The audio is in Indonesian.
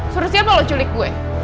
suruh siapa loh culik gue